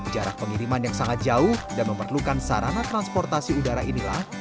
jarak pengiriman yang sangat jauh dan memerlukan sarana transportasi udara inilah